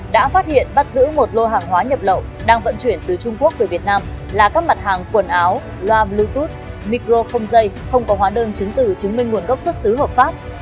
đã phát hiện bắt giữ một lô hàng hóa nhập lậu đang vận chuyển từ trung quốc về việt nam là các mặt hàng quần áo loa bluetooth micro không dây không có hóa đơn chứng từ chứng minh nguồn gốc xuất xứ hợp pháp